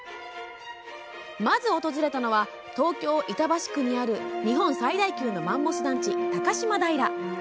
まず訪れたのは東京板橋区にある日本最大級のマンモス団地高島平。